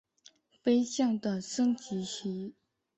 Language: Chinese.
飞将的升级棋。